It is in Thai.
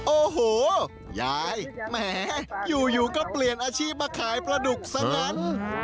โอ้โหยายแหมอยู่ก็เปลี่ยนอาชีพมาขายปลาดุกซะงั้น